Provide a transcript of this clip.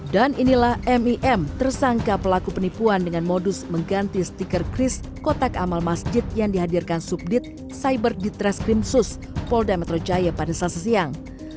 dan inilah mim tersangka pelaku penipuan dengan modus mengganti stiker kris kotak amal masjid yang dihadirkan subdit cyber detress krimsus polda metro jaya pada selasa siang